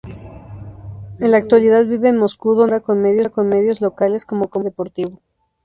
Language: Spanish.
En la actualidad vive en Moscú, donde colabora con medios locales como comentarista deportivo.